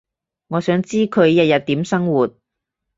我想知佢日日點生活